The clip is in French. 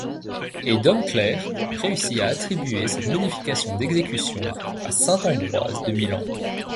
Et Dom Claire réussit à attribuer cette modification d'exécution à saint Ambroise de Milan.